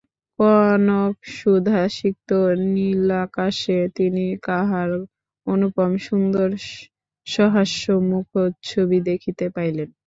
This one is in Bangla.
কনকসুধাসিক্ত নীলাকাশে তিনি কাহার অনুপম সুন্দর সহাস্য মুখচ্ছবি দেখিতে পাইলেন।